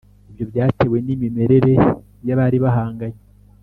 ibyo byatewe n'imimerere y'abari bahanganye.